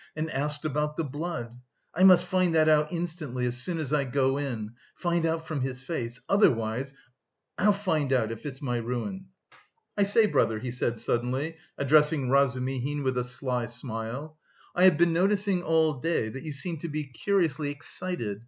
and asked about the blood? I must find that out instantly, as soon as I go in, find out from his face; otherwise... I'll find out, if it's my ruin." "I say, brother," he said suddenly, addressing Razumihin, with a sly smile, "I have been noticing all day that you seem to be curiously excited.